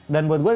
dan buat gue itu